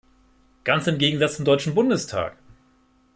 Ganz im Gegensatz zum Deutschen Bundestag!